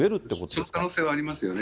その可能性はありますよね。